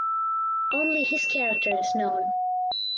Only His character is known.